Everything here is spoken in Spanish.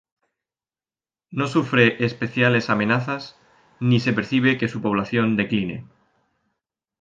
No sufre especiales amenazas ni se percibe que su población decline.